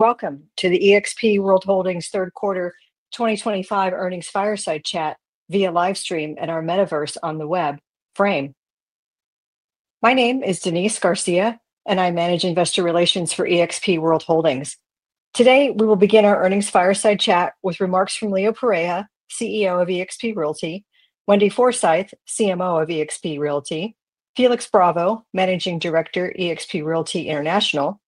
Welcome to the eXp World Holdings Third Quarter 2025 Earnings Fireside Chat via livestream in our metaverse on the web, Frame. My name is Denise Garcia, and I manage investor relations for eXp World Holdings. Today, we will begin our Earnings Fireside Chat with remarks from Leo Pareja, CEO of eXp Realty; Wendy Forsythe, CMO of eXp Realty; Felix Bravo, Managing Director, eXp Realty International;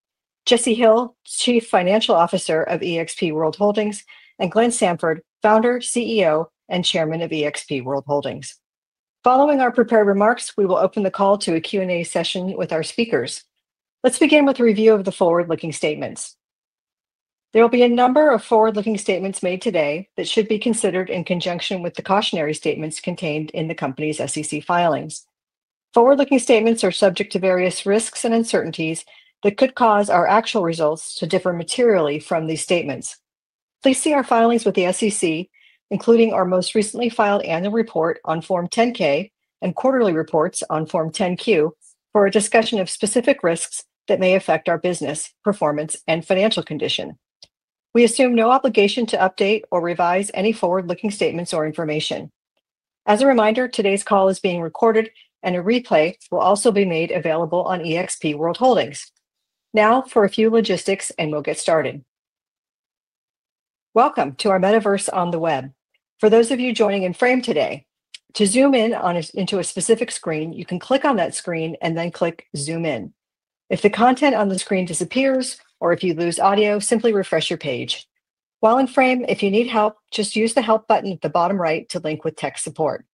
Jesse Hill, Chief Financial Officer of eXp World Holdings; and Glenn Sanford, Founder, CEO, and Chairman of eXp World Holdings. Following our prepared remarks, we will open the call to a Q&A session with our speakers. Let's begin with a review of the forward-looking statements. There will be a number of forward-looking statements made today that should be considered in conjunction with the cautionary statements contained in the company's SEC filings. Forward-looking statements are subject to various risks and uncertainties that could cause our actual results to differ materially from these statements. Please see our filings with the SEC, including our most recently filed annual report on Form 10-K and quarterly reports on Form 10-Q, for a discussion of specific risks that may affect our business performance and financial condition. We assume no obligation to update or revise any forward-looking statements or information. As a reminder, today's call is being recorded, and a replay will also be made available on eXp World Holdings. Now for a few logistics, and we'll get started. Welcome to our metaverse on the web. For those of you joining in Frame today, to zoom in on a specific screen, you can click on that screen and then click Zoom In. If the content on the screen disappears or if you lose audio, simply refresh your page. While in Frame, if you need help, just use the Help button at the bottom right to link with tech support.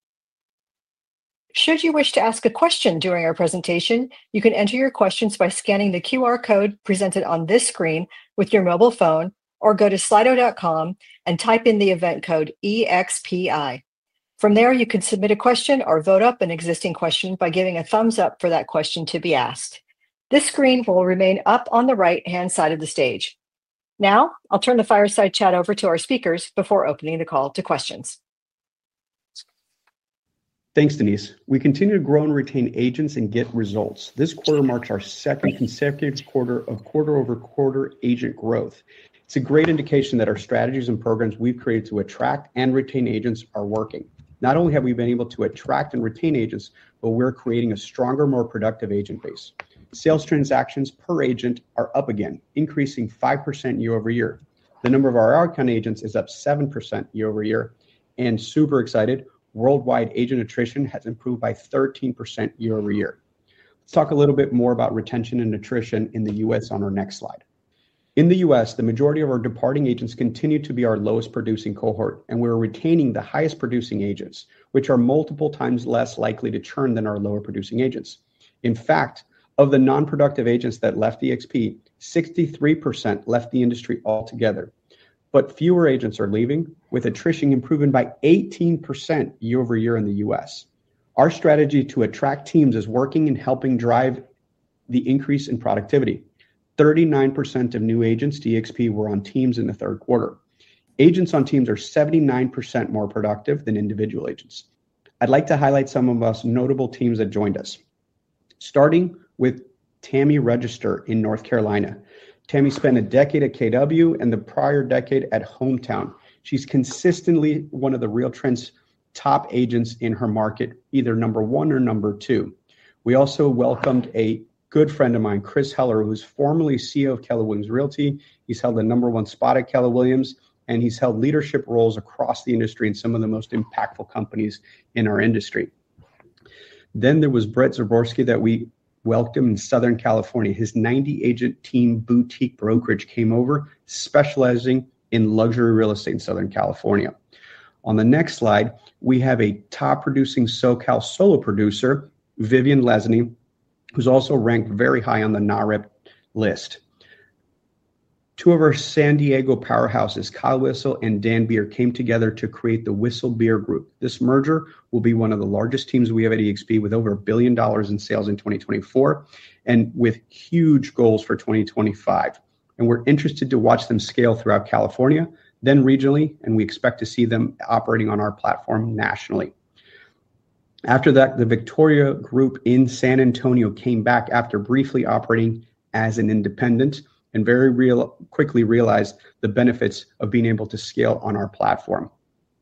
Should you wish to ask a question during our presentation, you can enter your questions by scanning the QR code presented on this screen with your mobile phone or go to slido.com and type in the event code EXPI. From there, you can submit a question or vote up an existing question by giving a thumbs up for that question to be asked. This screen will remain up on the right-hand side of the stage. Now, I'll turn the fireside chat over to our speakers before opening the call to questions. Thanks, Denise. We continue to grow and retain agents and get results. This quarter marks our second consecutive quarter of quarter-over-quarter agent growth. It's a great indication that our strategies and programs we've created to attract and retain agents are working. Not only have we been able to attract and retain agents, but we're creating a stronger, more productive agent base. Sales transactions per agent are up again, increasing 5% year-over-year. The number of our outbound agents is up 7% year-over-year, and super excited, worldwide agent attrition has improved by 13% year-over-year. Let's talk a little bit more about retention and attrition in the U.S. on our next slide. In the U.S., the majority of our departing agents continue to be our lowest producing cohort, and we're retaining the highest producing agents, which are multiple times less likely to churn than our lower producing agents. In fact, of the nonproductive agents that left eXp, 63% left the industry altogether. Fewer agents are leaving, with attrition improving by 18% year-over-year in the U.S. Our strategy to attract teams is working and helping drive the increase in productivity. 39% of new agents to eXp were on teams in the third quarter. Agents on teams are 79% more productive than individual agents. I'd like to highlight some of the most notable teams that joined us. Starting with Tammy Register in North Carolina. Tammy spent a decade at KW and the prior decade at Hometown. She's consistently one of the RealTrends top agents in her market, either number one or number two. We also welcomed a good friend of mine, Chris Heller, who's formerly CEO of Keller Williams Realty. He's held the number one spot at Keller Williams, and he's held leadership roles across the industry in some of the most impactful companies in our industry. There was Brett Zebrowski that we welcomed in Southern California. His 90-agent team Boutique Brokerage came over, specializing in luxury real estate in Southern California. On the next slide, we have a top producing SoCal solo producer, Vivian Lesny, who's also ranked very high on the NAHREP list. Two of our San Diego powerhouses, Kyle Whissel and Dan Beer, came together to create the Whissel Beer Group. This merger will be one of the largest teams we have at eXp, with over $1 billion in sales in 2024 and with huge goals for 2025. We're interested to watch them scale throughout California, then regionally, and we expect to see them operating on our platform nationally. After that, the Victoria Group in San Antonio came back after briefly operating as an independent and very quickly realized the benefits of being able to scale on our platform.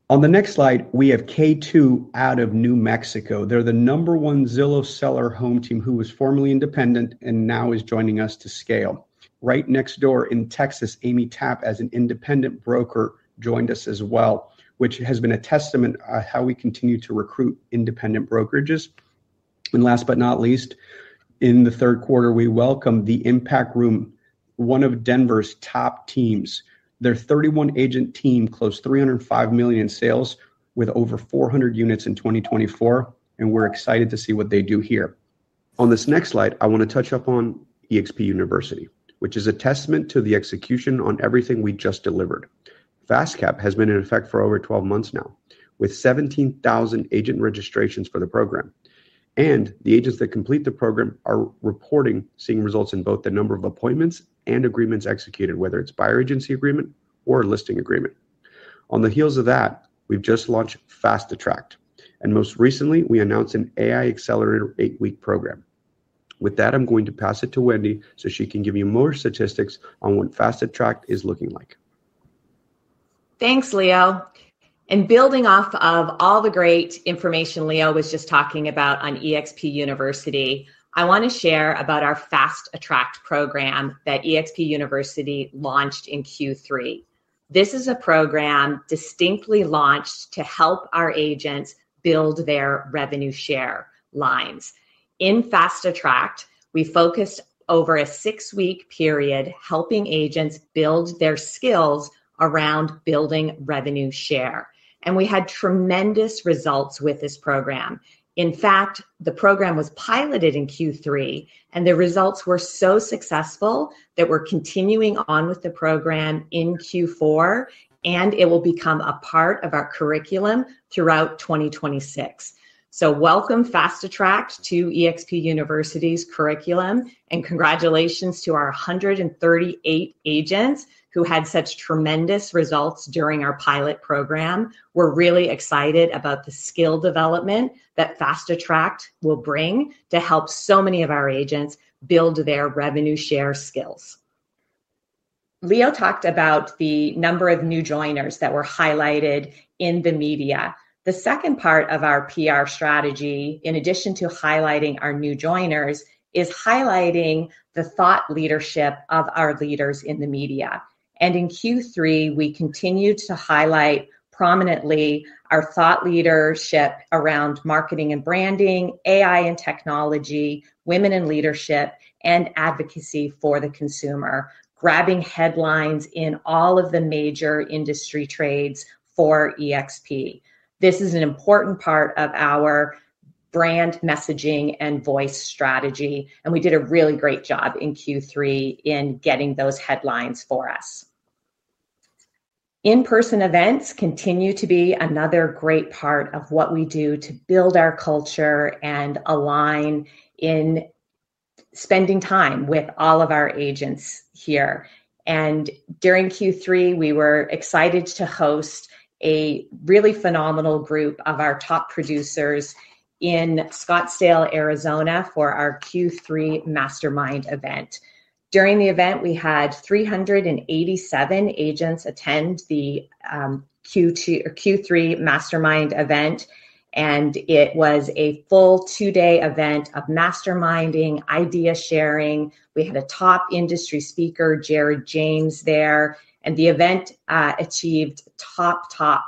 On the next slide, we have K2 out of New Mexico. They're the number one Zillow seller home team who was formerly independent and now is joining us to scale. Right next door in Texas, Amy Tapp as an independent broker joined us as well, which has been a testament of how we continue to recruit independent brokerages. Last but not least, in the third quarter, we welcomed The Impact Room, one of Denver's top teams. Their 31-agent team closed $305 million in sales, with over 400 units in 2024, and we're excited to see what they do here. On this next slide, I want to touch up on eXp University, which is a testament to the execution on everything we just delivered. FastCap has been in effect for over 12 months now, with 17,000 agent registrations for the program. The agents that complete the program are reporting seeing results in both the number of appointments and agreements executed, whether it's a buyer agency agreement or a listing agreement. On the heels of that, we've just launched FastATTRACT, and most recently, we announced an AI Accelerator eight-week program. With that, I'm going to pass it to Wendy so she can give you more statistics on what FastATTRACT is looking like. Thanks, Leo. Building off of all the great information Leo was just talking about on eXp University, I want to share about our FastATTRACT program that eXp University launched in Q3. This is a program distinctly launched to help our agents build their revenue share lines. In FastATTRACT, we focused over a six-week period helping agents build their skills around building revenue share. We had tremendous results with this program. In fact, the program was piloted in Q3, and the results were so successful that we're continuing on with the program in Q4, and it will become a part of our curriculum throughout 2026. Welcome FastATTRACT to eXp University's curriculum, and congratulations to our 138 agents who had such tremendous results during our pilot program. We're really excited about the skill development that FastATTRACT will bring to help so many of our agents build their revenue share skills. Leo talked about the number of new joiners that were highlighted in the media. The second part of our PR strategy, in addition to highlighting our new joiners, is highlighting the thought leadership of our leaders in the media. In Q3, we continue to highlight prominently our thought leadership around marketing and branding, AI and technology, women in leadership, and advocacy for the consumer, grabbing headlines in all of the major industry trades for eXp. This is an important part of our brand messaging and voice strategy, and we did a really great job in Q3 in getting those headlines for us. In-person events continue to be another great part of what we do to build our culture and align in. Spending time with all of our agents here. During Q3, we were excited to host a really phenomenal group of our top producers in Scottsdale, Arizona, for our Q3 Mastermind Event. During the event, we had 387 agents attend the Q3 Mastermind Event. It was a full two-day event of masterminding, idea sharing. We had a top industry speaker, Jared James, there, and the event achieved top, top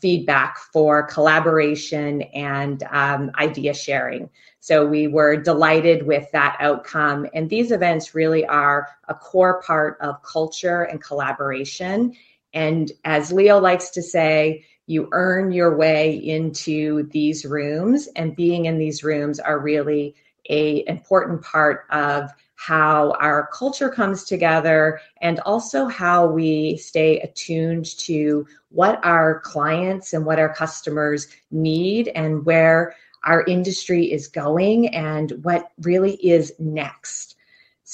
feedback for collaboration and idea sharing. We were delighted with that outcome. These events really are a core part of culture and collaboration. As Leo likes to say, you earn your way into these rooms, and being in these rooms is really an important part of how our culture comes together and also how we stay attuned to what our clients and what our customers need and where our industry is going and what really is next.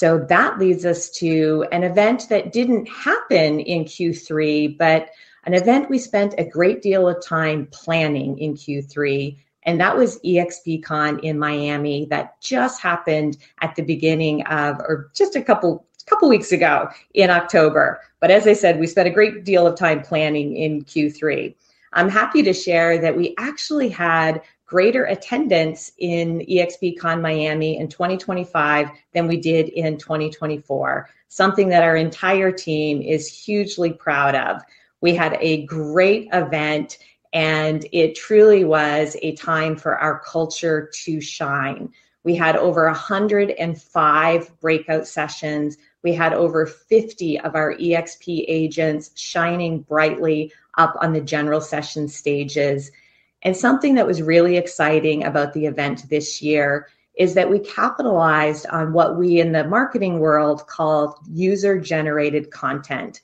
That leads us to an event that did not happen in Q3, but an event we spent a great deal of time planning in Q3, and that was eXpCon in Miami that just happened at the beginning of, or just a couple weeks ago in October. As I said, we spent a great deal of time planning in Q3. I'm happy to share that we actually had greater attendance in eXpCon Miami in 2025 than we did in 2024, something that our entire team is hugely proud of. We had a great event. It truly was a time for our culture to shine. We had over 105 breakout sessions. We had over 50 of our eXp agents shining brightly up on the general session stages. Something that was really exciting about the event this year is that we capitalized on what we in the marketing world called user-generated content.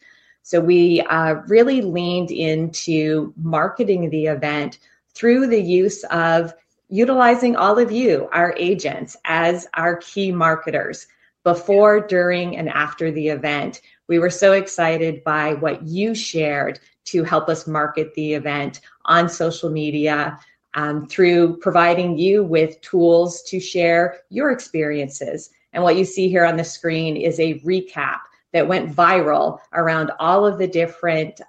We really leaned into marketing the event through the use of utilizing all of you, our agents, as our key marketers before, during, and after the event. We were so excited by what you shared to help us market the event on social media through providing you with tools to share your experiences. What you see here on the screen is a recap that went viral around all of the different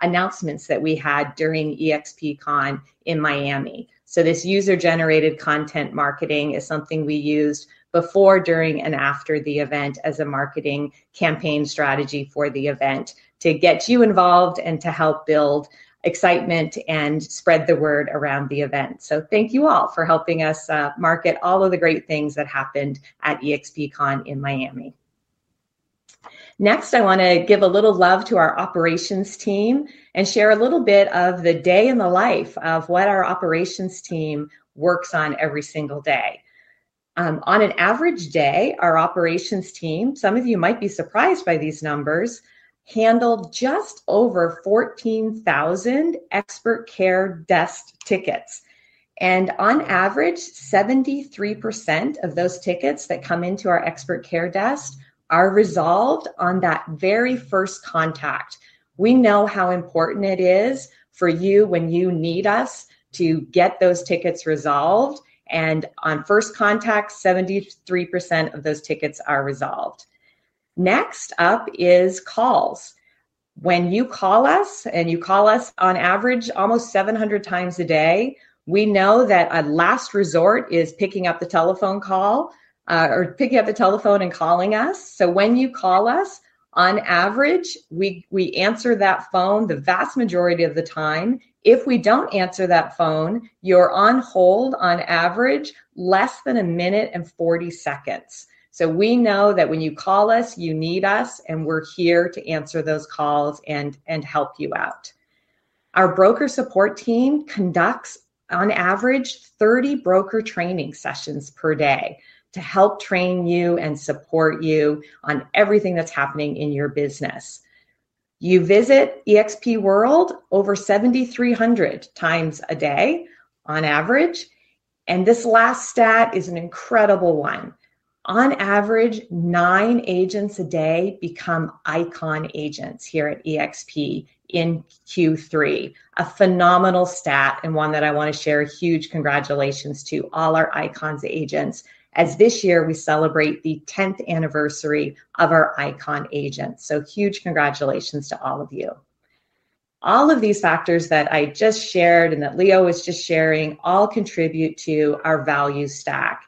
announcements that we had during eXpCon in Miami. This user-generated content marketing is something we used before, during, and after the event as a marketing campaign strategy for the event to get you involved and to help build excitement and spread the word around the event. Thank you all for helping us market all of the great things that happened at eXpCon in Miami. Next, I want to give a little love to our operations team and share a little bit of the day in the life of what our operations team works on every single day. On an average day, our operations team, some of you might be surprised by these numbers, handled just over 14,000 Expert Care Desk tickets. On average, 73% of those tickets that come into our Expert Care Desk are resolved on that very first contact. We know how important it is for you when you need us to get those tickets resolved. On first contact, 73% of those tickets are resolved. Next up is calls. When you call us, and you call us on average almost 700 times a day, we know that our last resort is picking up the telephone call. Or picking up the telephone and calling us. When you call us, on average, we answer that phone the vast majority of the time. If we do not answer that phone, you are on hold on average less than a minute and 40 seconds. We know that when you call us, you need us, and we are here to answer those calls and help you out. Our broker support team conducts, on average, 30 broker training sessions per day to help train you and support you on everything that is happening in your business. You visit eXp World over 7,300 times a day on average. This last stat is an incredible one. On average, nine agents a day become ICON Agents here at eXp in Q3, a phenomenal stat and one that I want to share huge congratulations to all our ICON Agents, as this year we celebrate the 10th anniversary of our ICON Agents. So, huge congratulations to all of you. All of these factors that I just shared and that Leo was just sharing all contribute to our value stack.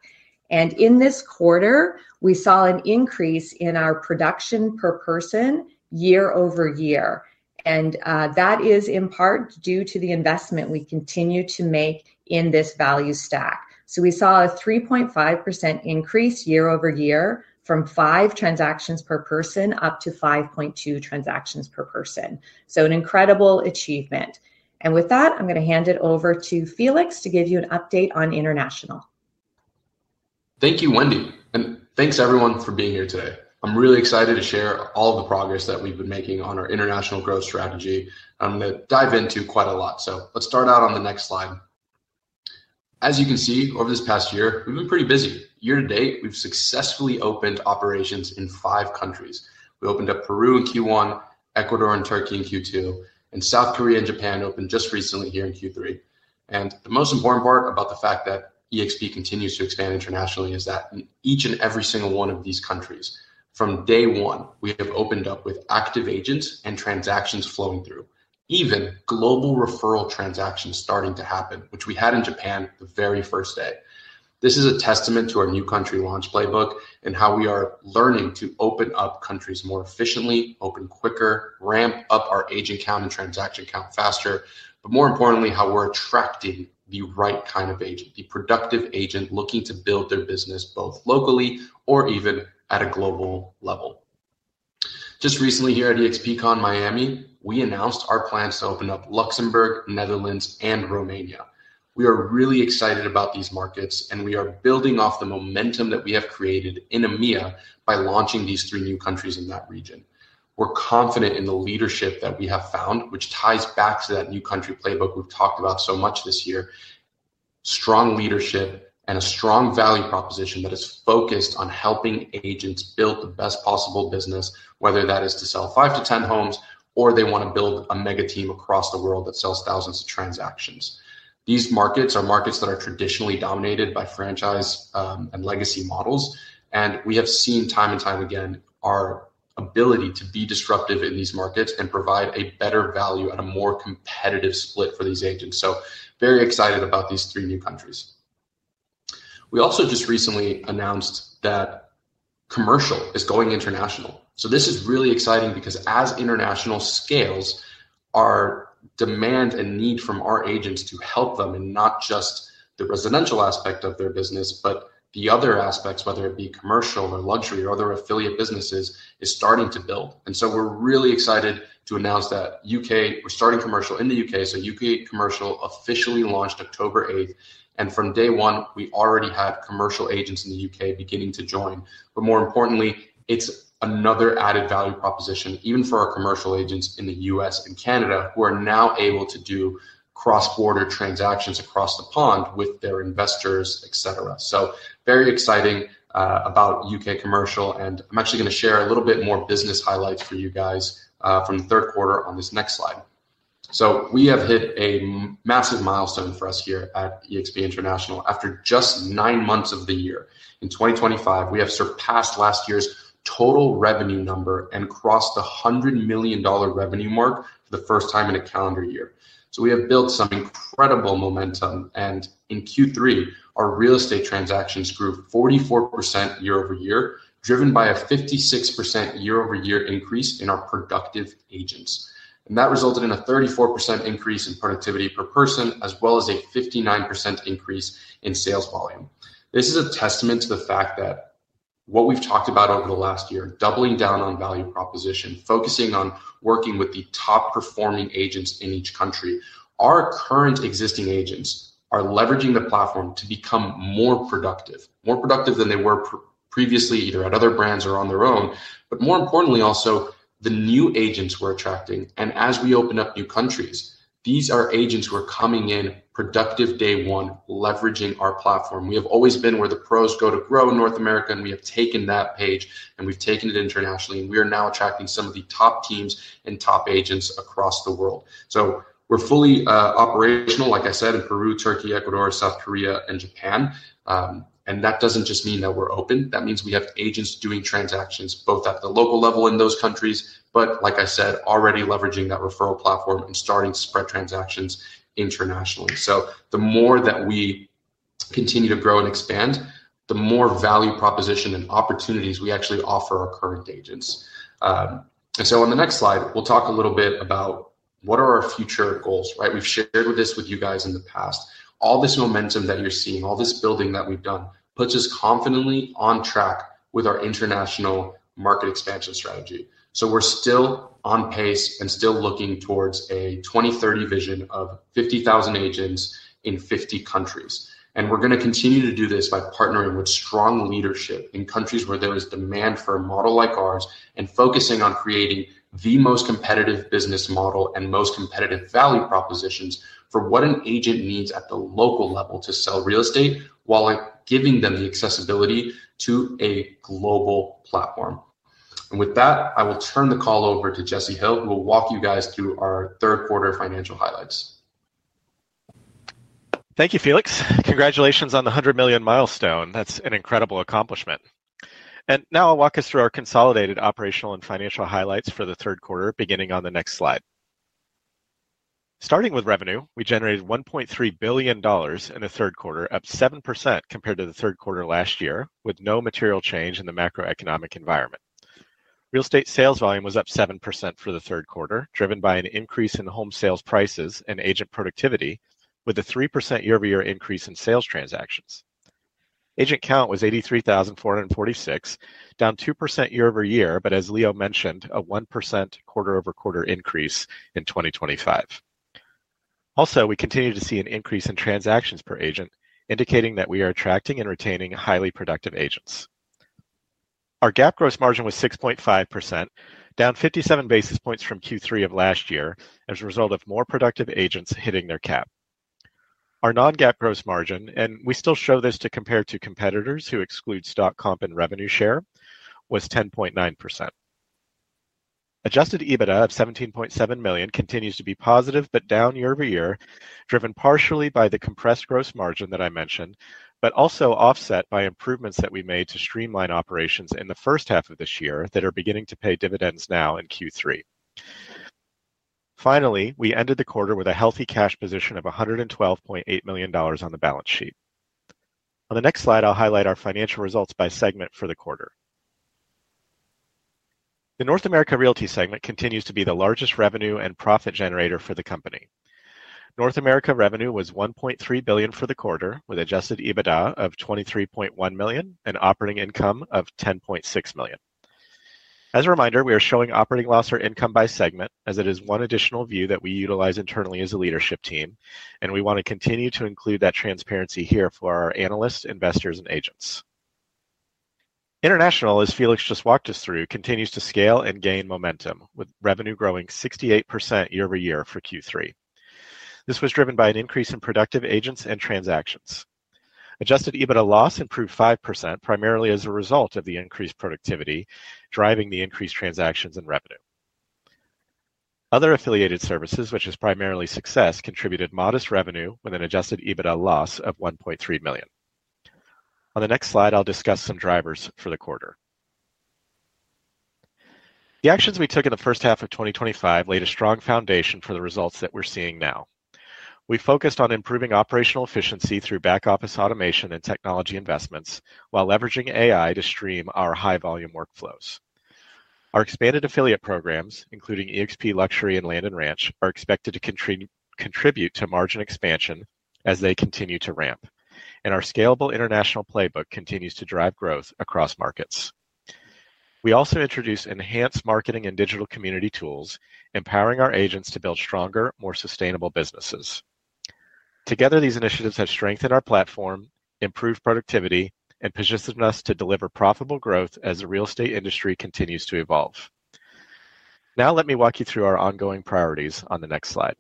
In this quarter, we saw an increase in our production per person year-over-year. That is in part due to the investment we continue to make in this value stack. We saw a 3.5% increase year-over-year from five transactions per person up to 5.2 transactions per person. An incredible achievement. With that, I'm going to hand it over to Felix to give you an update on international. Thank you, Wendy. And thanks, everyone, for being here today. I'm really excited to share all of the progress that we've been making on our international growth strategy. I'm going to dive into quite a lot. Let's start out on the next slide. As you can see, over this past year, we've been pretty busy. Year to date, we've successfully opened operations in five countries. We opened up Peru in Q1, Ecuador and Turkey in Q2, and South Korea and Japan opened just recently here in Q3. The most important part about the fact that eXp continues to expand internationally is that in each and every single one of these countries, from day one, we have opened up with active agents and transactions flowing through, even global referral transactions starting to happen, which we had in Japan the very first day. This is a testament to our new country launch playbook and how we are learning to open up countries more efficiently, open quicker, ramp up our agent count and transaction count faster, but more importantly, how we're attracting the right kind of agent, the productive agent looking to build their business both locally or even at a global level. Just recently here at eXpCon Miami, we announced our plans to open up Luxembourg, Netherlands, and Romania. We are really excited about these markets, and we are building off the momentum that we have created in EMEA by launching these three new countries in that region. We're confident in the leadership that we have found, which ties back to that new country playbook we've talked about so much this year. Strong leadership and a strong value proposition that is focused on helping agents build the best possible business, whether that is to sell five to ten homes or they want to build a mega team across the world that sells thousands of transactions. These markets are markets that are traditionally dominated by franchise and legacy models. We have seen time and time again our ability to be disruptive in these markets and provide a better value at a more competitive split for these agents. Very excited about these three new countries. We also just recently announced that commercial is going international. This is really exciting because as international scales, our demand and need from our agents to help them and not just the residential aspect of their business, but the other aspects, whether it be commercial or luxury or other affiliate businesses, is starting to build. We're really excited to announce that U.K., we're starting commercial in the U.K. U.K. commercial officially launched October 8th. From day one, we already had commercial agents in the U.K. beginning to join. More importantly, it's another added value proposition, even for our commercial agents in the U.S. and Canada who are now able to do cross-border transactions across the pond with their investors, etc. Very exciting about U.K. commercial. I'm actually going to share a little bit more business highlights for you guys from the third quarter on this next slide. We have hit a massive milestone for us here at eXp International. After just nine months of the year, in 2025, we have surpassed last year's total revenue number and crossed the $100 million revenue mark for the first time in a calendar year. We have built some incredible momentum. In Q3, our real estate transactions grew 44% year-over-year, driven by a 56% year-over-year increase in our productive agents. That resulted in a 34% increase in productivity per person, as well as a 59% increase in sales volume. This is a testament to the fact that what we've talked about over the last year, doubling down on value proposition, focusing on working with the top-performing agents in each country, our current existing agents are leveraging the platform to become more productive, more productive than they were previously, either at other brands or on their own. More importantly, also, the new agents we're attracting. As we open up new countries, these are agents who are coming in productive day one, leveraging our platform. We have always been where the pros go to grow in North America, and we have taken that page, and we have taken it internationally. We are now attracting some of the top teams and top agents across the world. We are fully operational, like I said, in Peru, Turkey, Ecuador, South Korea, and Japan. That does not just mean that we are open. That means we have agents doing transactions both at the local level in those countries, but like I said, already leveraging that referral platform and starting to spread transactions internationally. The more that we continue to grow and expand, the more value proposition and opportunities we actually offer our current agents. On the next slide, we will talk a little bit about what are our future goals, right? We have shared this with you guys in the past. All this momentum that you're seeing, all this building that we've done, puts us confidently on track with our international market expansion strategy. We're still on pace and still looking towards a 2030 vision of 50,000 agents in 50 countries. We're going to continue to do this by partnering with strong leadership in countries where there is demand for a model like ours and focusing on creating the most competitive business model and most competitive value propositions for what an agent needs at the local level to sell real estate while giving them the accessibility to a global platform. With that, I will turn the call over to Jesse Hill, who will walk you guys through our third quarter financial highlights. Thank you, Felix. Congratulations on the $100 million milestone. That's an incredible accomplishment. Now I'll walk us through our consolidated operational and financial highlights for the third quarter, beginning on the next slide. Starting with revenue, we generated $1.3 billion in the third quarter, up 7% compared to the third quarter last year, with no material change in the macroeconomic environment. Real estate sales volume was up 7% for the third quarter, driven by an increase in home sales prices and agent productivity, with a 3% year-over-year increase in sales transactions. Agent count was 83,446, down 2% year-over-year, but as Leo mentioned, a 1% quarter-over-quarter increase in 2025. Also, we continue to see an increase in transactions per agent, indicating that we are attracting and retaining highly productive agents. Our GAAP gross margin was 6.5%, down 57 basis points from Q3 of last year as a result of more productive agents hitting their cap. Our non-GAAP gross margin, and we still show this to compare to competitors who exclude stock comp and revenue share, was 10.9%. Adjusted EBITDA of $17.7 million continues to be positive, but down year-over-year, driven partially by the compressed gross margin that I mentioned, but also offset by improvements that we made to streamline operations in the first half of this year that are beginning to pay dividends now in Q3. Finally, we ended the quarter with a healthy cash position of $112.8 million on the balance sheet. On the next slide, I'll highlight our financial results by segment for the quarter. The North America Realty segment continues to be the largest revenue and profit generator for the company. North America revenue was $1.3 billion for the quarter, with adjusted EBITDA of $23.1 million and operating income of $10.6 million. As a reminder, we are showing operating loss or income by segment, as it is one additional view that we utilize internally as a leadership team. We want to continue to include that transparency here for our analysts, investors, and agents. International, as Felix just walked us through, continues to scale and gain momentum, with revenue growing 68% year-over-year for Q3. This was driven by an increase in productive agents and transactions. Adjusted EBITDA loss improved 5%, primarily as a result of the increased productivity, driving the increased transactions and revenue. Other affiliated services, which is primarily SUCCESS, contributed modest revenue with an adjusted EBITDA loss of $1.3 million. On the next slide, I'll discuss some drivers for the quarter. The actions we took in the first half of 2025 laid a strong foundation for the results that we're seeing now. We focused on improving operational efficiency through back-office automation and technology investments while leveraging AI to stream our high-volume workflows. Our expanded affiliate programs, including eXp Luxury and Land & Ranch, are expected to contribute to margin expansion as they continue to ramp. Our scalable international playbook continues to drive growth across markets. We also introduced enhanced marketing and digital community tools, empowering our agents to build stronger, more sustainable businesses. Together, these initiatives have strengthened our platform, improved productivity, and positioned us to deliver profitable growth as the real estate industry continues to evolve. Now, let me walk you through our ongoing priorities on the next slide.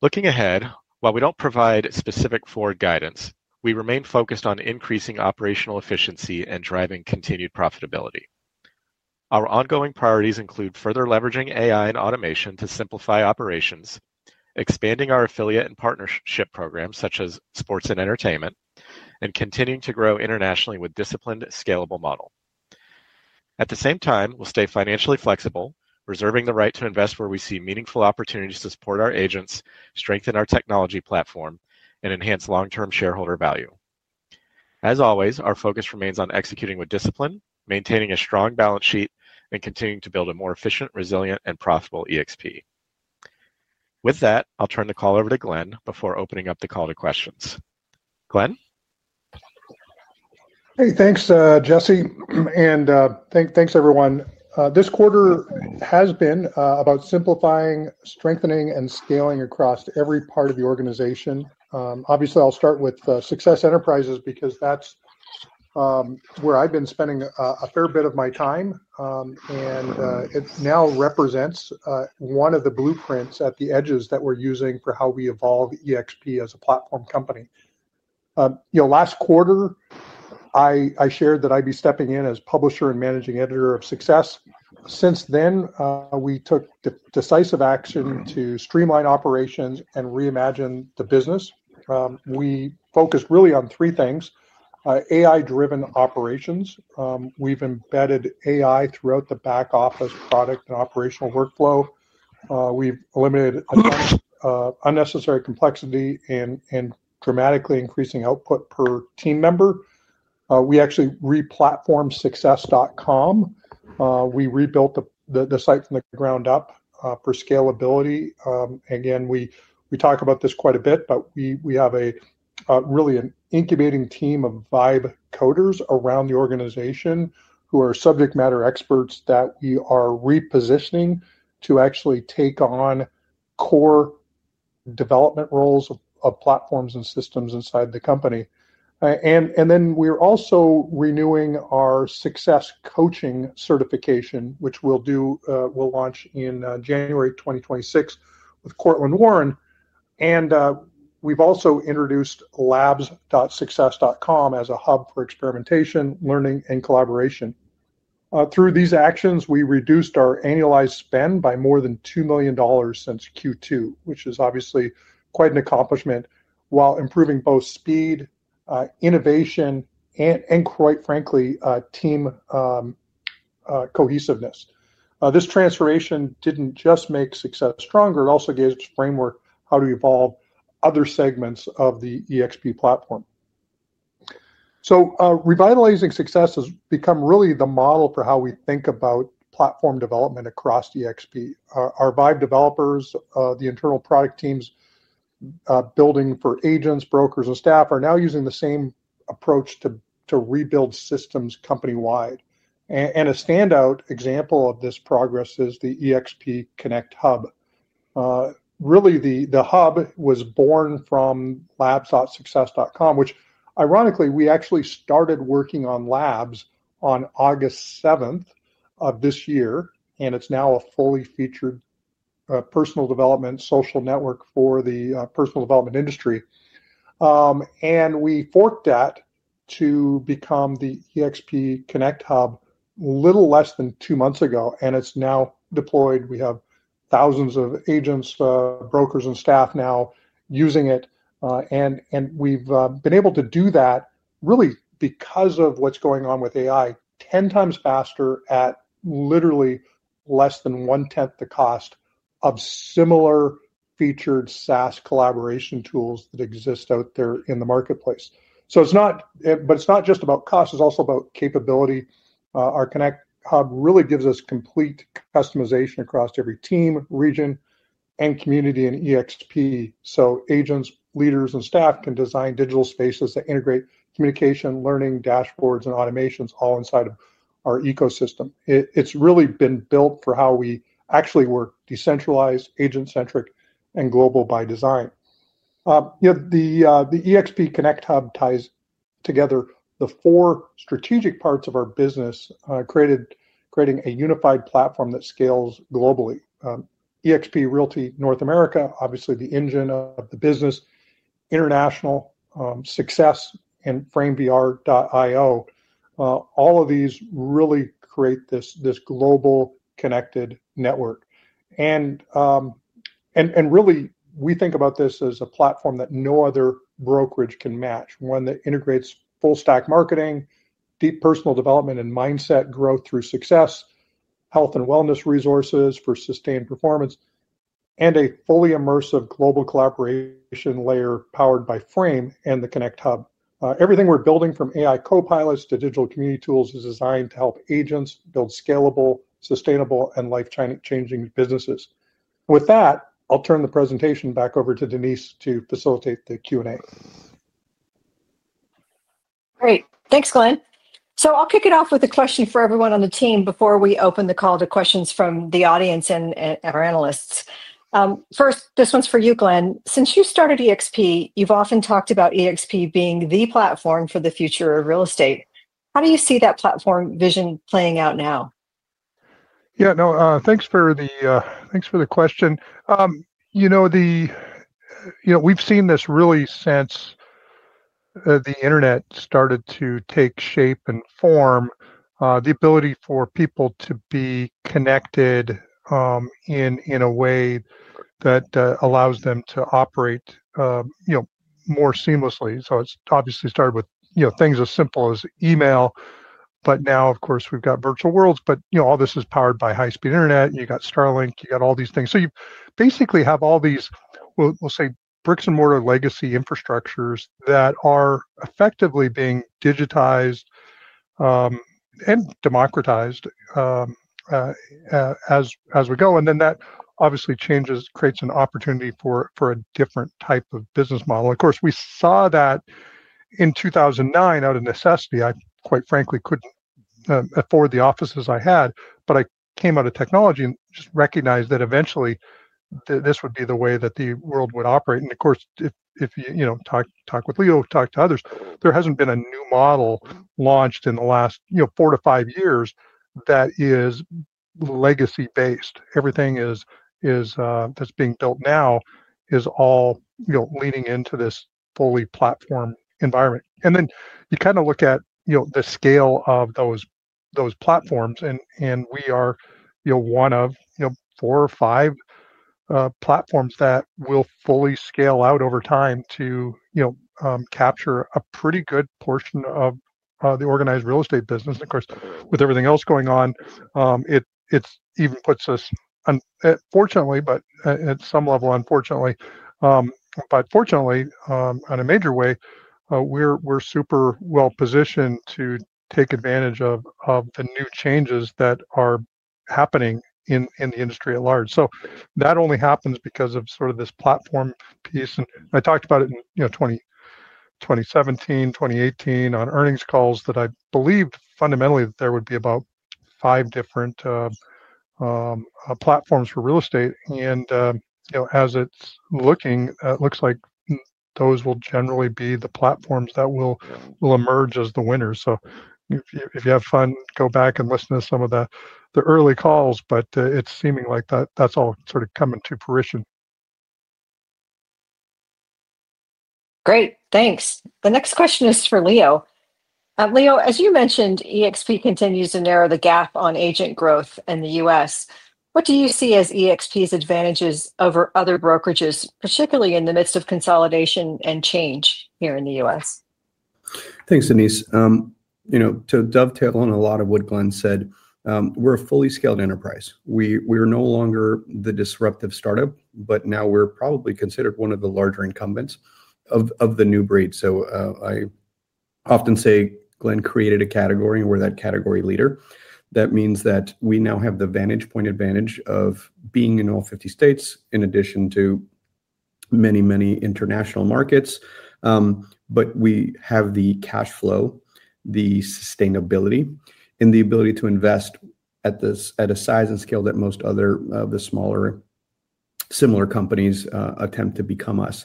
Looking ahead, while we don't provide specific forward guidance, we remain focused on increasing operational efficiency and driving continued profitability. Our ongoing priorities include further leveraging AI and automation to simplify operations, expanding our affiliate and partnership programs such as sports and entertainment, and continuing to grow internationally with a disciplined, scalable model. At the same time, we'll stay financially flexible, reserving the right to invest where we see meaningful opportunities to support our agents, strengthen our technology platform, and enhance long-term shareholder value. As always, our focus remains on executing with discipline, maintaining a strong balance sheet, and continuing to build a more efficient, resilient, and profitable eXp. With that, I'll turn the call over to Glenn before opening up the call to questions. Glenn? Hey, thanks, Jesse. Thanks, everyone. This quarter has been about simplifying, strengthening, and scaling across every part of the organization. Obviously, I'll start with SUCCESS Enterprises because that's where I've been spending a fair bit of my time. It now represents one of the blueprints at the edges that we're using for how we evolve eXp as a platform company. Last quarter, I shared that I'd be stepping in as Publisher and Managing Editor of SUCCESS. Since then, we took decisive action to streamline operations and reimagine the business. We focused really on three things. AI-driven operations. We've embedded AI throughout the back-office product and operational workflow. We've eliminated unnecessary complexity and are dramatically increasing output per team member. We actually replatformed success.com. We rebuilt the site from the ground up for scalability. Again, we talk about this quite a bit, but we have really an incubating team of Vibe coders around the organization who are subject matter experts that we are repositioning to actually take on core development roles of platforms and systems inside the company. We are also renewing our SUCCESS Coaching Certification, which we will launch in January 2026 with Courtland Warren. We have also introduced labs.success.com as a hub for experimentation, learning, and collaboration. Through these actions, we reduced our annualized spend by more than $2 million since Q2, which is obviously quite an accomplishment while improving both speed, innovation, and, quite frankly, team cohesiveness. This transformation did not just make SUCCESS stronger. It also gave us a framework for how to evolve other segments of the eXp platform. Revitalizing SUCCESS has become really the model for how we think about platform development across eXp. Our Vibe developers, the internal product teams building for agents, brokers, and staff, are now using the same approach to rebuild systems company-wide. A standout example of this progress is the eXp Connect Hub. Really, the hub was born from labs.success.com, which, ironically, we actually started working on labs on August 7th of this year. It is now a fully featured personal development social network for the personal development industry. We forked that to become the eXp Connect Hub a little less than two months ago. It is now deployed. We have thousands of agents, brokers, and staff now using it. We have been able to do that really because of what is going on with AI, 10 times faster at literally less than one-tenth the cost of similar featured SaaS collaboration tools that exist out there in the marketplace. It is not just about cost. It's also about capability. Our Connect Hub really gives us complete customization across every team, region, and community in eXp. Agents, leaders, and staff can design digital spaces that integrate communication, learning, dashboards, and automations all inside of our ecosystem. It's really been built for how we actually work: decentralized, agent-centric, and global by design. The eXp Connect Hub ties together the four strategic parts of our business, creating a unified platform that scales globally. eXp Realty North America, obviously the engine of the business. International. Success, and framevr.io. All of these really create this global connected network. We think about this as a platform that no other brokerage can match. One that integrates full-stack marketing, deep personal development, and mindset growth through Success. Health and wellness resources for sustained performance, and a fully immersive global collaboration layer powered by Frame and the Connect Hub. Everything we're building, from AI copilots to digital community tools, is designed to help agents build scalable, sustainable, and life-changing businesses. With that, I'll turn the presentation back over to Denise to facilitate the Q&A. Great. Thanks, Glenn. I'll kick it off with a question for everyone on the team before we open the call to questions from the audience and our analysts. First, this one's for you, Glenn. Since you started eXp, you've often talked about eXp being the platform for the future of real estate. How do you see that platform vision playing out now? Yeah, no, thanks for the question. We've seen this really since the internet started to take shape and form. The ability for people to be connected in a way that allows them to operate more seamlessly. It obviously started with things as simple as email. Now, of course, we've got virtual worlds. All this is powered by high-speed internet. You've got Starlink. You've got all these things. You basically have all these, we'll say, bricks-and-mortar legacy infrastructures that are effectively being digitized and democratized as we go. That obviously creates an opportunity for a different type of business model. We saw that in 2009 out of necessity. I, quite frankly, couldn't afford the offices I had. I came out of technology and just recognized that eventually this would be the way that the world would operate. Of course, if you talk with Leo, talk to others, there has not been a new model launched in the last four to five years that is legacy-based. Everything that is being built now is all leaning into this fully platform environment. You kind of look at the scale of those platforms, and we are one of four or five platforms that will fully scale out over time to capture a pretty good portion of the organized real estate business. With everything else going on, it even puts us, fortunately, but at some level, unfortunately, but fortunately in a major way, we are super well-positioned to take advantage of the new changes that are happening in the industry at large. That only happens because of sort of this platform piece. I talked about it in. 2017, 2018, on earnings calls that I believed fundamentally that there would be about five different platforms for real estate. As it is looking, it looks like those will generally be the platforms that will emerge as the winners. If you have fun, go back and listen to some of the early calls. It is seeming like that is all sort of coming to fruition. Great. Thanks. The next question is for Leo. Leo, as you mentioned, eXp continues to narrow the gap on agent growth in the U.S. What do you see as eXp's advantages over other brokerages, particularly in the midst of consolidation and change here in the U.S.? Thanks, Denise. To dovetail on a lot of what Glenn said, we're a fully scaled enterprise. We are no longer the disruptive startup, but now we're probably considered one of the larger incumbents of the new breed. I often say Glenn created a category and we're that category leader. That means that we now have the vantage point advantage of being in all 50 states in addition to many, many international markets. We have the cash flow, the sustainability, and the ability to invest at a size and scale that most other, smaller similar companies attempt to become us.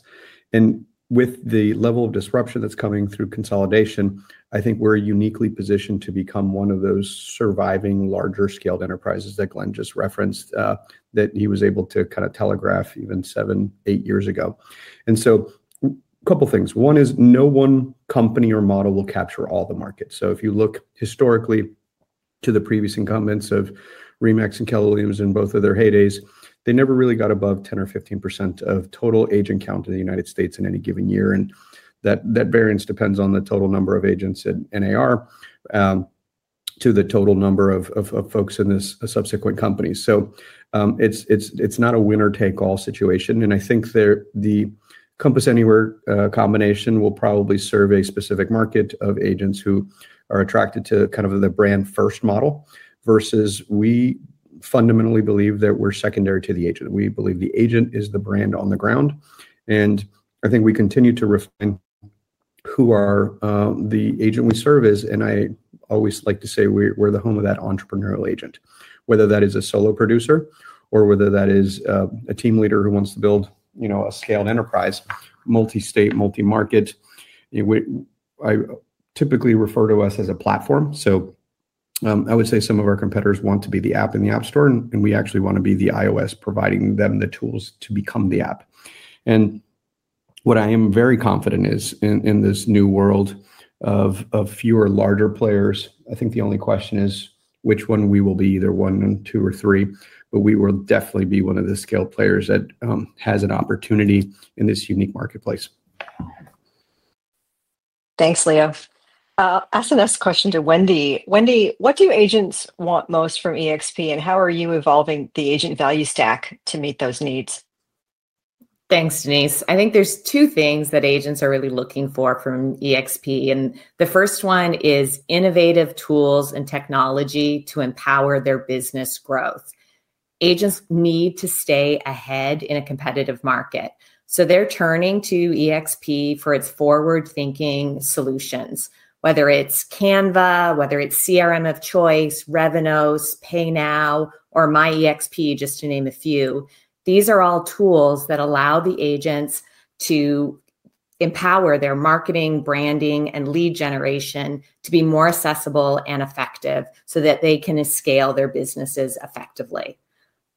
With the level of disruption that's coming through consolidation, I think we're uniquely positioned to become one of those surviving larger-scale enterprises that Glenn just referenced that he was able to kind of telegraph even 7-8 years ago. A couple of things. One is no one company or model will capture all the markets. If you look historically to the previous incumbents of RE/MAX and Keller Williams in both of their heydays, they never really got above 10% or 15% of total agent count in the United States in any given year. That variance depends on the total number of agents in NAR to the total number of folks in the subsequent companies. It is not a winner-take-all situation. I think the Compass Anywhere combination will probably serve a specific market of agents who are attracted to kind of the brand-first model versus we fundamentally believe that we are secondary to the agent. We believe the agent is the brand on the ground. I think we continue to refine who the agent we serve is. I always like to say we're the home of that entrepreneurial agent, whether that is a solo producer or whether that is a team leader who wants to build a scaled enterprise, multi-state, multi-market. I typically refer to us as a platform. I would say some of our competitors want to be the app in the app store. We actually want to be the iOS providing them the tools to become the app. What I am very confident in is in this new world of fewer larger players, I think the only question is which one we will be, either one and two or three. We will definitely be one of the scaled players that has an opportunity in this unique marketplace. Thanks, Leo. I'll ask the next question to Wendy. Wendy, what do agents want most from eXp? How are you evolving the agent value stack to meet those needs? Thanks, Denise. I think there are two things that agents are really looking for from eXp. The first one is innovative tools and technology to empower their business growth. Agents need to stay ahead in a competitive market. They are turning to eXp for its forward-thinking solutions, whether it's Canva, whether it's CRM of choice, Revenos, PayNow, or My eXp, just to name a few. These are all tools that allow the agents to empower their marketing, branding, and lead generation to be more accessible and effective so that they can scale their businesses effectively.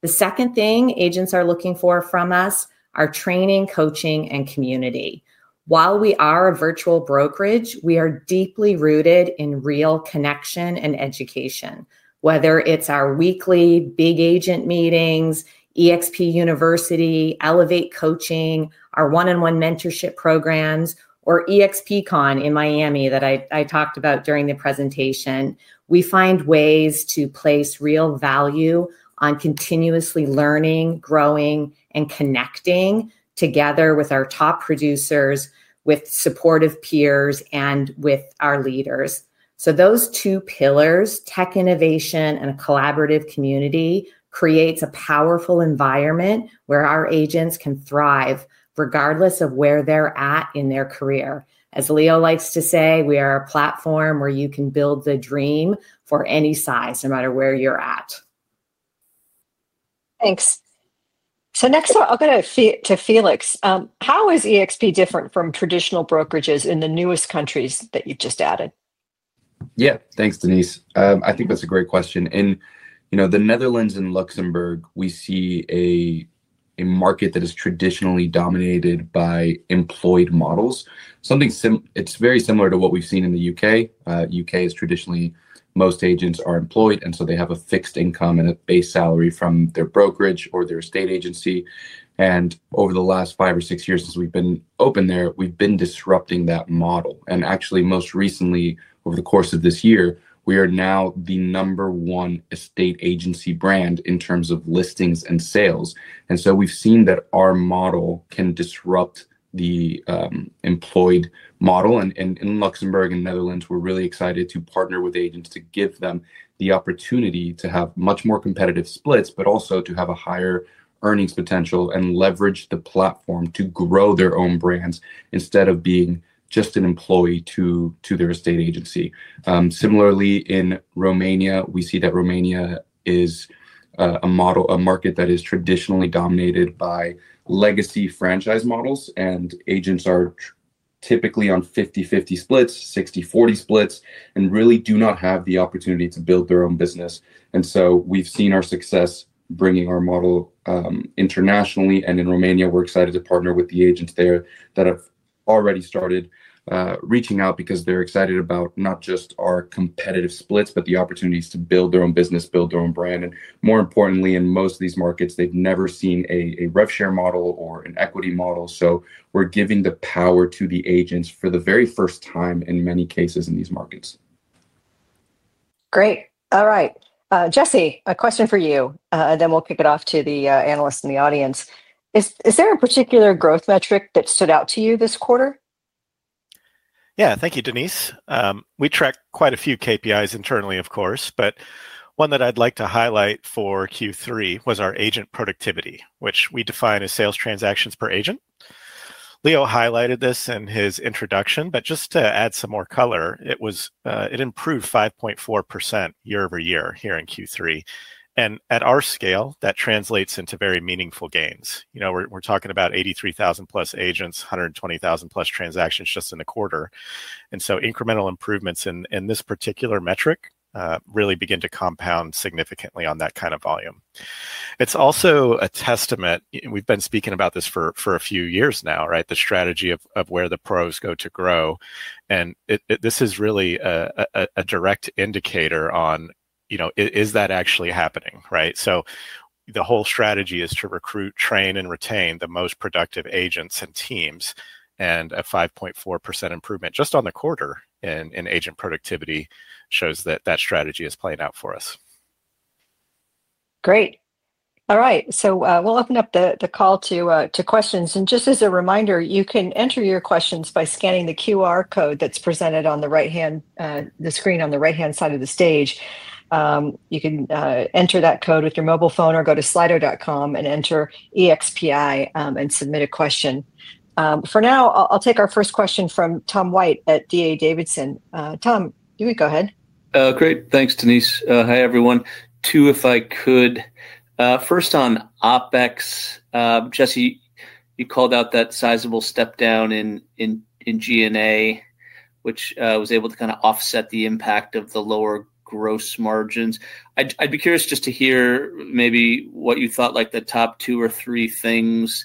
The second thing agents are looking for from us are training, coaching, and community. While we are a virtual brokerage, we are deeply rooted in real connection and education, whether it's our weekly big agent meetings, eXp University, Elevate Coaching, our one-on-one mentorship programs, or eXpCon in Miami that I talked about during the presentation. We find ways to place real value on continuously learning, growing, and connecting together with our top producers, with supportive peers, and with our leaders. Those two pillars, tech innovation and a collaborative community, create a powerful environment where our agents can thrive regardless of where they're at in their career. As Leo likes to say, we are a platform where you can build the dream for any size, no matter where you're at. Thanks. Next, I'll go to Felix. How is eXp different from traditional brokerages in the newest countries that you've just added? Yeah, thanks, Denise. I think that's a great question. In the Netherlands and Luxembourg, we see a market that is traditionally dominated by employed models. It's very similar to what we've seen in the U.K. U.K. is traditionally most agents are employed. They have a fixed income and a base salary from their brokerage or their estate agency. Over the last five or six years since we've been open there, we've been disrupting that model. Actually, most recently, over the course of this year, we are now the number one estate agency brand in terms of listings and sales. We've seen that our model can disrupt the employed model. In Luxembourg and Netherlands, we're really excited to partner with agents to give them the opportunity to have much more competitive splits, but also to have a higher earnings potential and leverage the platform to grow their own brands instead of being just an employee to their estate agency. Similarly, in Romania, we see that Romania is a market that is traditionally dominated by legacy franchise models. Agents are typically on 50/50 splits, 60/40 splits, and really do not have the opportunity to build their own business. We have seen our success bringing our model internationally. In Romania, we're excited to partner with the agents there that have already started reaching out because they're excited about not just our competitive splits, but the opportunities to build their own business, build their own brand. More importantly, in most of these markets, they've never seen a rev share model or an equity model. We're giving the power to the agents for the very first time in many cases in these markets. Great. All right. Jesse, a question for you. Then we'll kick it off to the analysts in the audience. Is there a particular growth metric that stood out to you this quarter? Yeah, thank you, Denise. We track quite a few KPIs internally, of course. One that I'd like to highlight for Q3 was our agent productivity, which we define as sales transactions per agent. Leo highlighted this in his introduction. Just to add some more color, it improved 5.4% year-over-year here in Q3. At our scale, that translates into very meaningful gains. We're talking about 83,000+ agents, 120,000+ transactions just in the quarter. Incremental improvements in this particular metric really begin to compound significantly on that kind of volume. It's also a testament. We've been speaking about this for a few years now, right? The strategy of where the pros go to grow. This is really a direct indicator on is that actually happening, right? The whole strategy is to recruit, train, and retain the most productive agents and teams. And a 5.4% improvement just on the quarter in agent productivity shows that that strategy is playing out for us. Great. All right. We'll open up the call to questions. Just as a reminder, you can enter your questions by scanning the QR code that's presented on the right-hand screen on the right-hand side of the stage. You can enter that code with your mobile phone or go to slido.com and enter EXPI and submit a question. For now, I'll take our first question from Tom White at D.A. Davidson. Tom, you can go ahead. Great. Thanks, Denise. Hi, everyone. Two, if I could. First on OpEx. Jesse, you called out that sizable step down in G&A, which was able to kind of offset the impact of the lower gross margins. I'd be curious just to hear maybe what you thought like the top two or three things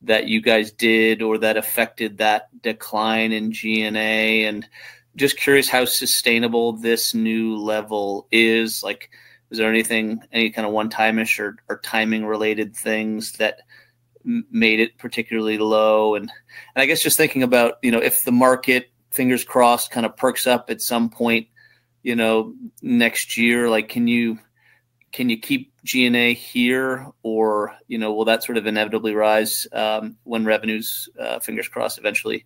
that you guys did or that affected that decline in G&A. And just curious how sustainable this new level is. Is there anything, any kind of one-time-ish or timing-related things that made it particularly low? I guess just thinking about if the market, fingers crossed, kind of perks up at some point next year, can you keep G&A here? Or will that sort of inevitably rise when revenues, fingers crossed, eventually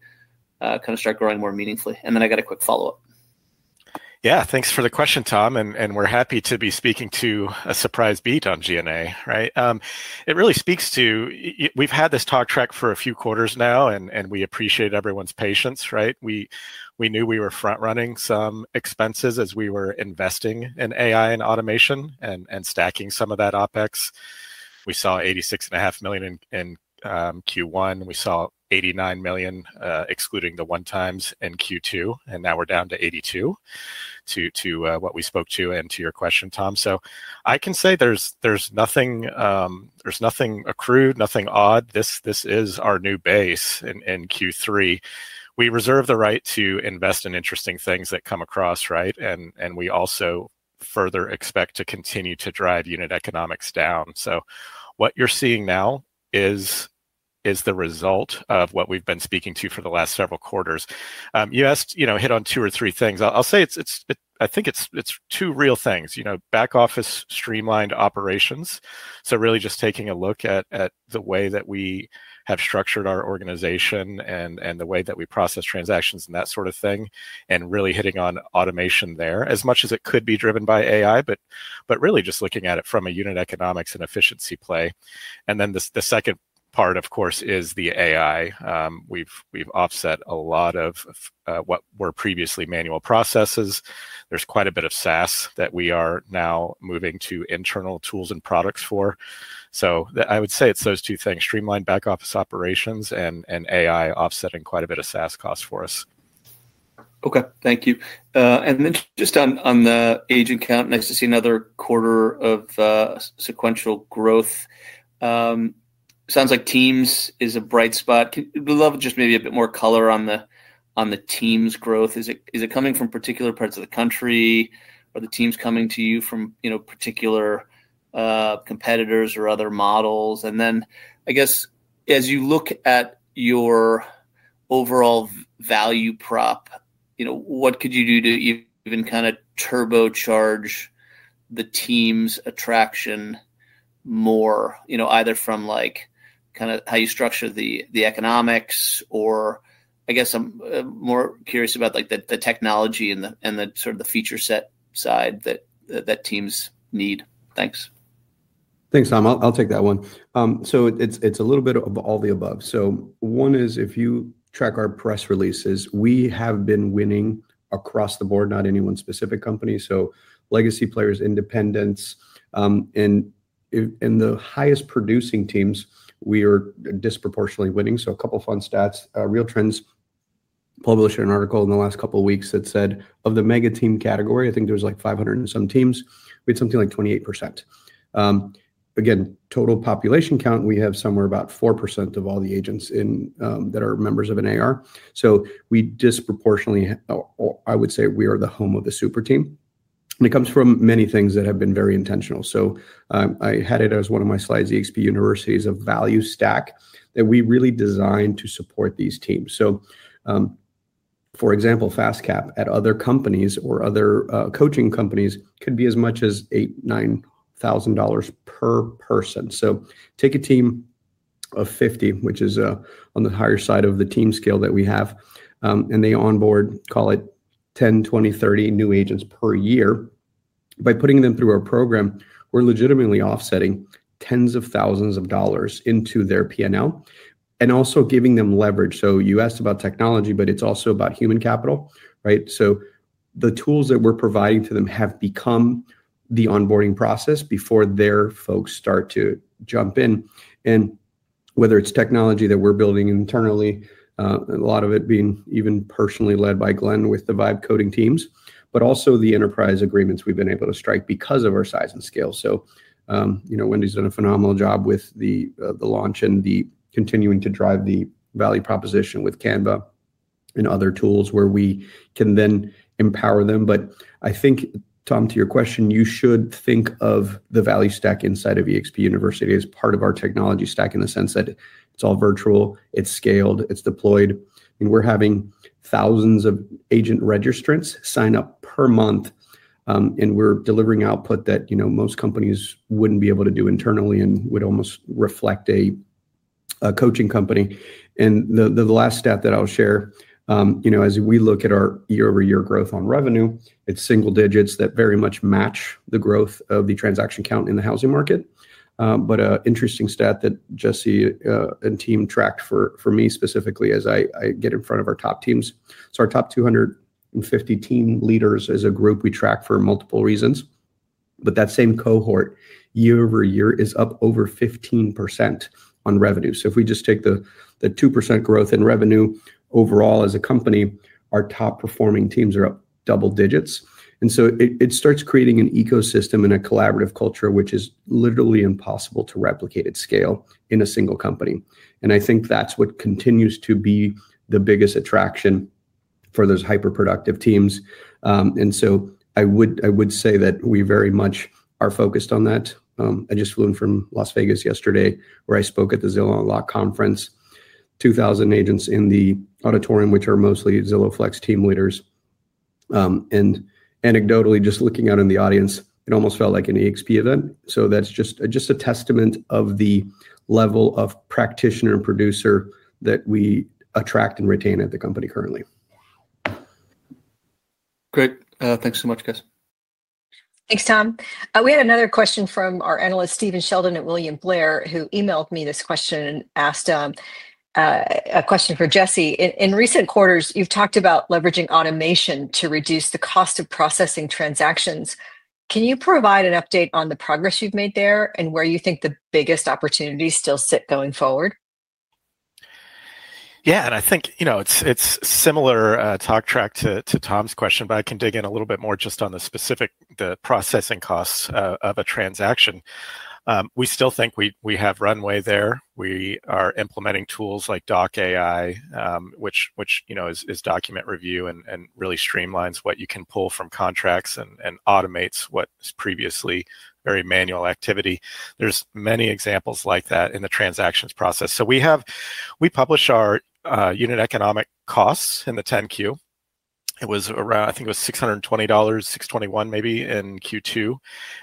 kind of start growing more meaningfully? I got a quick follow-up. Yeah, thanks for the question, Tom. We're happy to be speaking to a surprise beat on G&A, right? It really speaks to we've had this talk track for a few quarters now, and we appreciate everyone's patience, right? We knew we were front-running some expenses as we were investing in AI and automation and stacking some of that OpEx. We saw $86.5 million in Q1. We saw $89 million, excluding the one-times, in Q2. Now we're down to $82 million. To what we spoke to and to your question, Tom. I can say there's nothing accrued, nothing odd. This is our new base in Q3. We reserve the right to invest in interesting things that come across, right? We also further expect to continue to drive unit economics down. What you're seeing now is. The result of what we've been speaking to for the last several quarters. You hit on two or three things. I'll say I think it's two real things. Back office streamlined operations. Really just taking a look at the way that we have structured our organization and the way that we process transactions and that sort of thing, and really hitting on automation there as much as it could be driven by AI, but really just looking at it from a unit economics and efficiency play. The second part, of course, is the AI. We've offset a lot of what were previously manual processes. There's quite a bit of SaaS that we are now moving to internal tools and products for. I would say it's those two things: streamlined back office operations and AI offsetting quite a bit of SaaS costs for us. Okay, thank you. And then just on the agent count, nice to see another quarter of sequential growth. Sounds like Teams is a bright spot. We'd love just maybe a bit more color on the Teams growth. Is it coming from particular parts of the country? Are the teams coming to you from particular competitors or other models? And then I guess as you look at your overall value prop, what could you do to even kind of turbocharge the Teams attraction more? Either from kind of how you structure the economics or I guess I'm more curious about the technology and the sort of the feature set side that Teams need. Thanks. Thanks, Tom. I'll take that one. It's a little bit of all the above. One is if you track our press releases, we have been winning across the board, not any one specific company. Legacy players, independents. In the highest producing teams, we are disproportionately winning. A couple of fun stats. Real Trends published an article in the last couple of weeks that said of the mega team category, I think there was like 500 and some teams, we had something like 28%. Again, total population count, we have somewhere about 4% of all the agents that are members of NAR. We disproportionately, I would say we are the home of the super team. It comes from many things that have been very intentional. I had it as one of my slides, eXp University's value stack that we really designed to support these teams. For example, FastCap at other companies or other coaching companies could be as much as $8,000-$9,000 per person. Take a team of 50, which is on the higher side of the team scale that we have, and they onboard, call it 10, 20, 30 new agents per year. By putting them through our program, we're legitimately offsetting tens of thousands of dollars into their P&L and also giving them leverage. You asked about technology, but it's also about human capital, right? The tools that we're providing to them have become the onboarding process before their folks start to jump in. Whether it's technology that we're building internally, a lot of it being even personally led by Glenn with the Vibe Coding teams, but also the enterprise agreements we've been able to strike because of our size and scale. Wendy's done a phenomenal job with the launch and the continuing to drive the value proposition with Canva and other tools where we can then empower them. I think, Tom, to your question, you should think of the value stack inside of eXp University as part of our technology stack in the sense that it's all virtual, it's scaled, it's deployed. We're having thousands of agent registrants sign up per month. We're delivering output that most companies wouldn't be able to do internally and would almost reflect a coaching company. The last stat that I'll share. As we look at our year-over-year growth on revenue, it's single digits that very much match the growth of the transaction count in the housing market. An interesting stat that Jesse and team tracked for me specifically as I get in front of our top teams. Our top 250 team leaders as a group, we track for multiple reasons. That same cohort year-over-year is up over 15% on revenue. If we just take the 2% growth in revenue overall as a company, our top performing teams are up double digits. It starts creating an ecosystem and a collaborative culture, which is literally impossible to replicate at scale in a single company. I think that's what continues to be the biggest attraction for those hyper-productive teams. I would say that we very much are focused on that. I just flew in from Las Vegas yesterday where I spoke at the Zillow Unlock Conference. 2,000 agents in the auditorium, which are mostly Zillow Flex team leaders. Anecdotally, just looking out in the audience, it almost felt like an eXp event. That is just a testament of the level of practitioner and producer that we attract and retain at the company currently. Great. Thanks so much, guys. Thanks, Tom. We had another question from our analyst, Stephen Sheldon at William Blair, who emailed me this question and asked a question for Jesse. In recent quarters, you've talked about leveraging automation to reduce the cost of processing transactions. Can you provide an update on the progress you've made there and where you think the biggest opportunities still sit going forward? Yeah, and I think it's a similar talk track to Tom's question, but I can dig in a little bit more just on the specific processing costs of a transaction. We still think we have runway there. We are implementing tools like Doc AI, which is document review and really streamlines what you can pull from contracts and automates what's previously very manual activity. There are many examples like that in the transactions process. We publish our unit economic costs in the 10Q. It was around, I think it was $620, $621 maybe in Q2.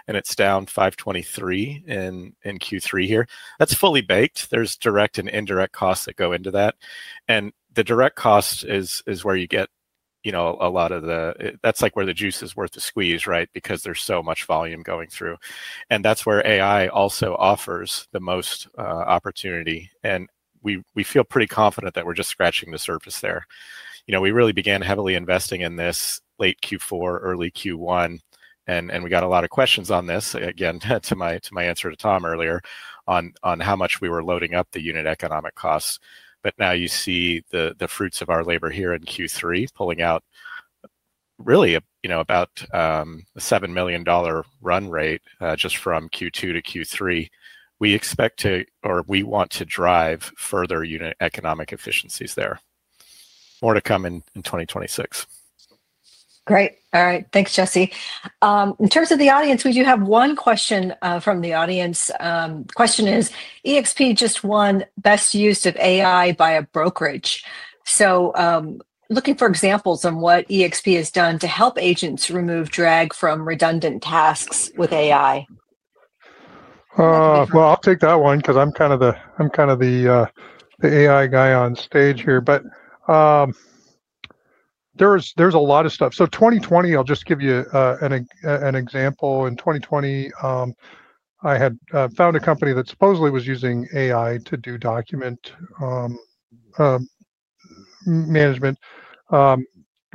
It's down to $523 in Q3 here. That's fully baked. There are direct and indirect costs that go into that. The direct cost is where you get a lot of the—that's like where the juice is worth the squeeze, right? Because there is so much volume going through. That is where AI also offers the most opportunity. We feel pretty confident that we are just scratching the surface there. We really began heavily investing in this late Q4, early Q1. We got a lot of questions on this, again, to my answer to Tom earlier on how much we were loading up the unit economic costs. Now you see the fruits of our labor here in Q3 pulling out. Really about a $7 million run rate just from Q2 to Q3. We expect to, or we want to drive further unit economic efficiencies there. More to come in 2026. Great. All right. Thanks, Jesse. In terms of the audience, we do have one question from the audience. The question is, eXp just won best use of AI by a brokerage. Looking for examples on what eXp has done to help agents remove drag from redundant tasks with AI. I'll take that one because I'm kind of the AI guy on stage here. There's a lot of stuff. In 2020, I'll just give you an example. In 2020, I had found a company that supposedly was using AI to do document management.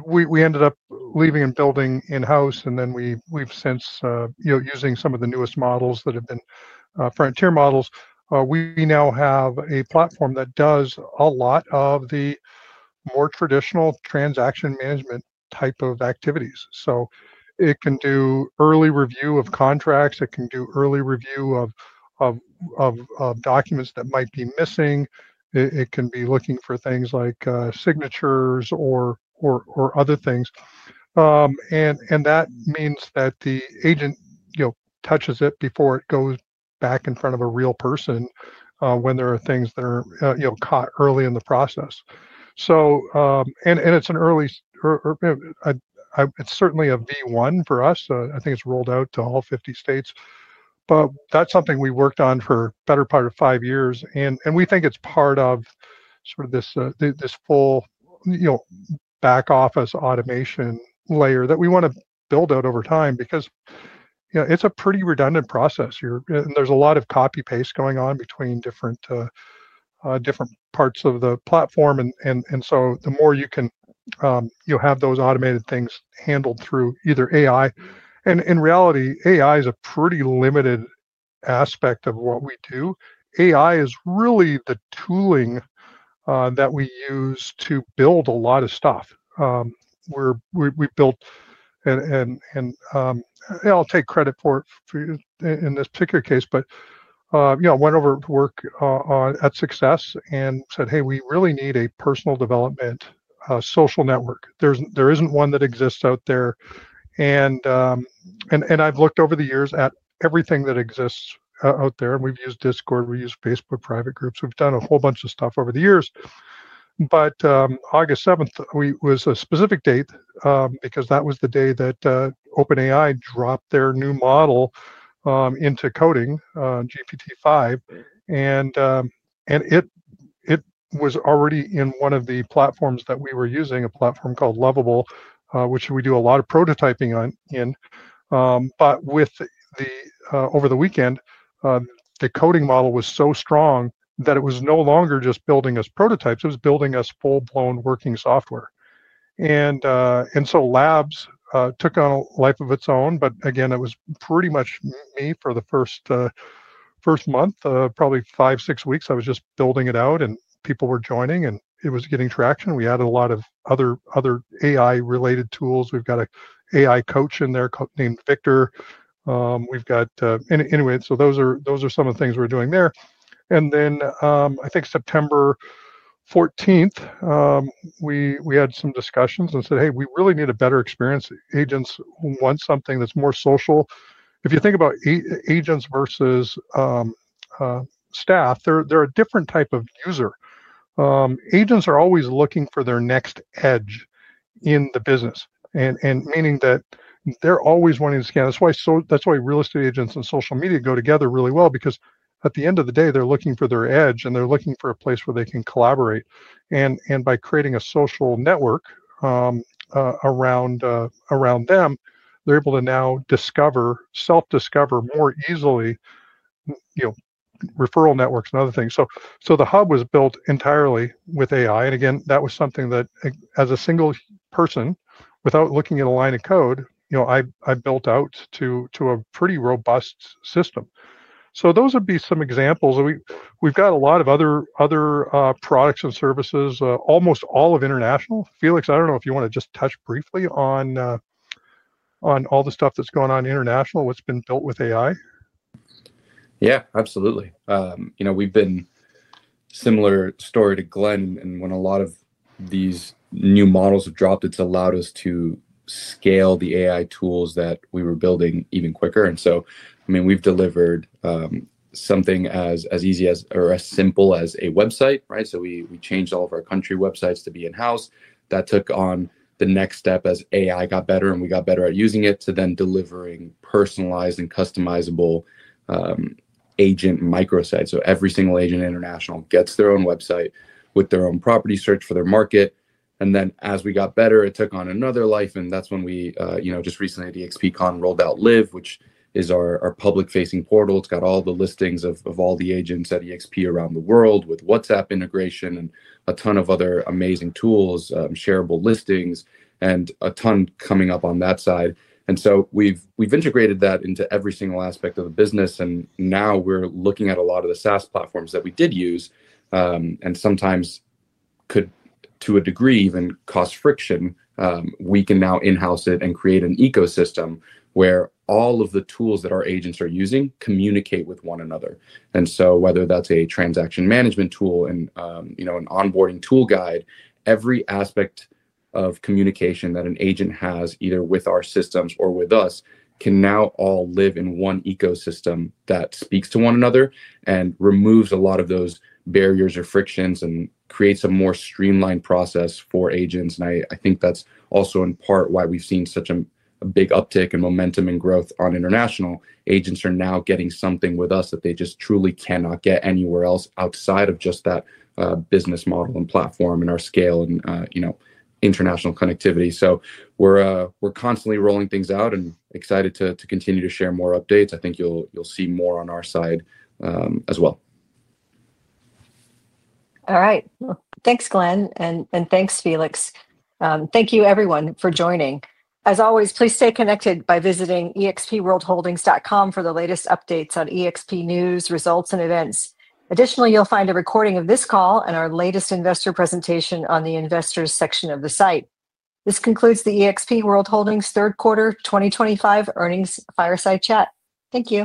We ended up leaving and building in-house, and then we've since been using some of the newest models that have been frontier models. We now have a platform that does a lot of the more traditional transaction management type of activities. It can do early review of contracts. It can do early review of documents that might be missing. It can be looking for things like signatures or other things. That means that the agent touches it before it goes back in front of a real person when there are things that are caught early in the process. It's certainly a V1 for us. I think it's rolled out to all 50 states. That's something we worked on for the better part of five years. We think it's part of this full back office automation layer that we want to build out over time because it's a pretty redundant process here. There's a lot of copy-paste going on between different parts of the platform. The more you can have those automated things handled through either AI, and in reality, AI is a pretty limited aspect of what we do. AI is really the tooling that we use to build a lot of stuff. We built, and I'll take credit for it in this particular case, but went over to work at SUCCESS and said, "Hey, we really need a personal development. Social network. There isn't one that exists out there. I've looked over the years at everything that exists out there. We've used Discord. We use Facebook private groups. We've done a whole bunch of stuff over the years. August 7th was a specific date because that was the day that OpenAI dropped their new model into coding, GPT-5. It was already in one of the platforms that we were using, a platform called Lovable, which we do a lot of prototyping in. Over the weekend, the coding model was so strong that it was no longer just building us prototypes. It was building us full-blown working software. Labs took on a life of its own. It was pretty much me for the first month, probably five, six weeks. I was just building it out, and people were joining, and it was getting traction. We added a lot of other AI-related tools. We've got an AI coach in there named Victor. We've got—anyway, so those are some of the things we're doing there. I think September 14th, we had some discussions and said, "Hey, we really need a better experience." Agents want something that's more social. If you think about agents versus staff, they're a different type of user. Agents are always looking for their next edge in the business, meaning that they're always wanting to scan. That's why real estate agents and social media go together really well because at the end of the day, they're looking for their edge, and they're looking for a place where they can collaborate. By creating a social network around them, they're able to now self-discover more easily. Referral networks and other things. The hub was built entirely with AI. Again, that was something that, as a single person, without looking at a line of code, I built out to a pretty robust system. Those would be some examples. We've got a lot of other products and services, almost all of international. Felix, I don't know if you want to just touch briefly on all the stuff that's going on internationally, what's been built with AI. Yeah, absolutely. We've been a similar story to Glenn. When a lot of these new models have dropped, it's allowed us to scale the AI tools that we were building even quicker. I mean, we've delivered something as easy or as simple as a website, right? We changed all of our country websites to be in-house. That took on the next step as AI got better and we got better at using it to then delivering personalized and customizable agent microsites. Every single agent in international gets their own website with their own property search for their market. As we got better, it took on another life. That's when we just recently, at eXpCon, rolled out Live, which is our public-facing portal. It's got all the listings of all the agents at eXp around the world with WhatsApp integration and a ton of other amazing tools, shareable listings, and a ton coming up on that side. We've integrated that into every single aspect of the business. Now we're looking at a lot of the SaaS platforms that we did use. Sometimes, to a degree, they could even cause friction. We can now in-house it and create an ecosystem where all of the tools that our agents are using communicate with one another. Whether that's a transaction management tool and an onboarding tool guide, every aspect of communication that an agent has either with our systems or with us can now all live in one ecosystem that speaks to one another and removes a lot of those barriers or frictions and creates a more streamlined process for agents. I think that's also in part why we've seen such a big uptick in momentum and growth on international. Agents are now getting something with us that they just truly cannot get anywhere else outside of just that business model and platform and our scale and international connectivity. We are constantly rolling things out and excited to continue to share more updates. I think you'll see more on our side as well. All right. Thanks, Glenn, and thanks, Felix. Thank you, everyone, for joining. As always, please stay connected by visiting expworldholdings.com for the latest updates on eXp news, results, and events. Additionally, you'll find a recording of this call and our latest investor presentation on the investors' section of the site. This concludes the eXp World Holdings third quarter 2025 earnings fireside chat. Thank you.